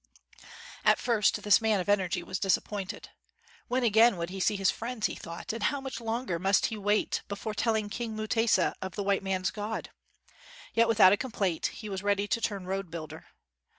At first this man of energy was disappointed. When again would he see his friends, he thought, and how much longer must he wait before telling King Mutesa of the white man 's God % Yet, without a com plaint, he was ready to turn road builder.